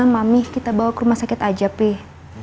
mami kita bawa ke rumah sakit aja pih